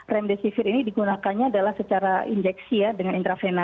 remdesivir ini digunakannya adalah secara injeksi ya dengan intravena